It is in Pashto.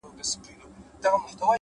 روښانه فکر ګډوډي کموي’